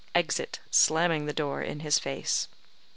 (Exit, slamming the door in his face.)